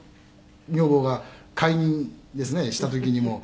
女房が懐妊ですねした時にも」